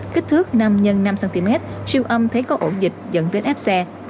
kích thước năm x năm cm siêu âm thấy có ổ dịch dẫn đến ép xe